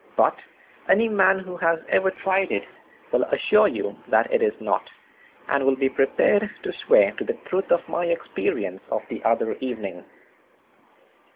But any man who has ever tried it will assure you that it is not, and will be prepared to swear to the truth of my experience of the other evening.